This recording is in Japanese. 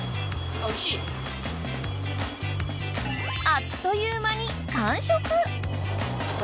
［あっという間に］